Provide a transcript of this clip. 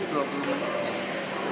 sekitar waktu dua puluh menit